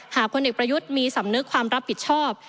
พลเอกประยุทธ์มีสำนึกความรับผิดชอบ